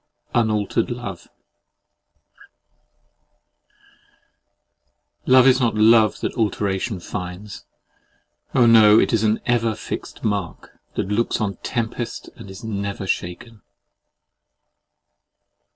UNALTERED LOVE "Love is not love that alteration finds: Oh no! it is an ever fixed mark, That looks on tempests and is never shaken."